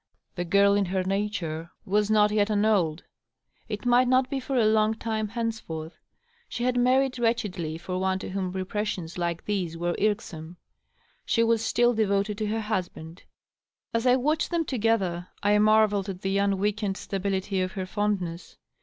The girl in her nature was not yet annulled ; it might not be for a long time henceforth. She had married wretchedly for one to whom repressions like these were irksome. She was still devoted to her husband. As I watched them together I marvelled at the un weakened stability of her fondness.